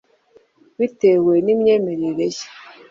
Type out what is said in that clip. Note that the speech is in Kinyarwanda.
bitewe n’imyemerere ye